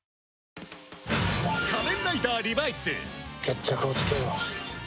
決着をつけよう。